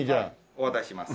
お渡しします。